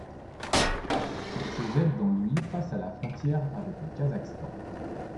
Il se jette dans l'Ouï face à la frontière avec le Kazakhstan.